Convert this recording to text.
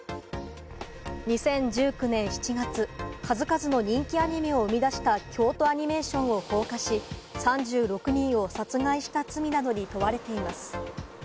２０１９年７月、数々の人気アニメを生み出した京都アニメーションを放火し、３６人を殺害した罪などに問われています。